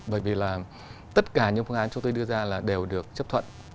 bởi vì là tất cả những phương án chúng tôi đưa ra là đều được chấp thuận